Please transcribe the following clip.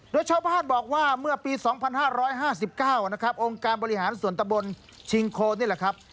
โดยชาวบ้านบอกว่าเมื่อปีสองพันห้าร้อยห้าสิบเก้านะครับองค์การบริหารสวนตะบนชิงโคนี่แหละครับ